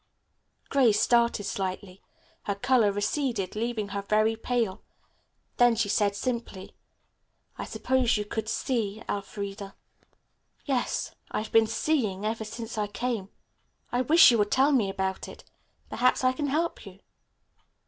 Grace started slightly. Her color receded, leaving her very pale. Then she said simply, "I suppose you 'could see,' Elfreda." "Yes; I've been 'seeing' ever since I came. I wish you would tell me about it. Perhaps I can help you."